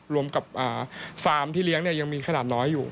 รวมกับฟาร์มที่เลี้ยงยังมีขนาดน้อยอยู่